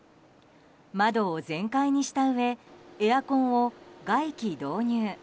窓を全開にしたうえエアコンを外気導入。